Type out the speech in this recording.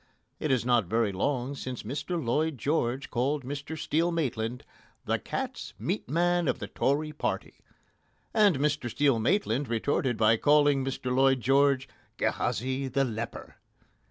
It is not very long since Mr Lloyd George called Mr Steel Maitland "the cat's meat man of the Tory party," and Mr Steel Maitland retorted by calling Mr Lloyd George "Gehazi, the leper."